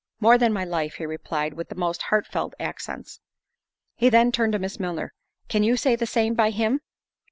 "More than my life." He replied, with the most heartfelt accents. He then turned to Miss Milner—"Can you say the same by him?"